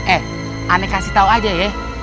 eh aneh kasih tau aja ya